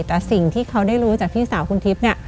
แต่สิ่งที่เขาได้รู้จากพี่สาวคุณทิพย์เนี่ย